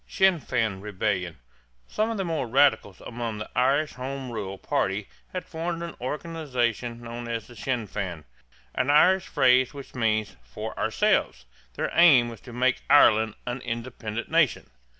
SINN FEIN REBELLION. Some of the more radical among the Irish Home Rule party had formed an organization known as the Sinn Fein (shin fān), an Irish phrase which means "for ourselves." Their aim was to make Ireland an independent nation.